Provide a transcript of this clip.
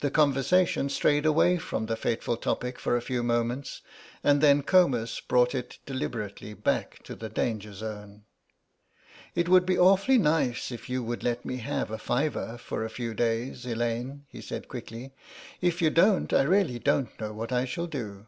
The conversation strayed away from the fateful topic for a few moments and then Comus brought it deliberately back to the danger zone. "It would be awfully nice if you would let me have a fiver for a few days, Elaine," he said quickly; "if you don't I really don't know what I shall do."